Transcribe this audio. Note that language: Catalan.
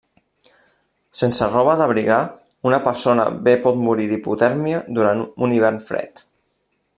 Sense roba d'abrigar, una persona bé pot morir d'hipotèrmia durant un hivern fred.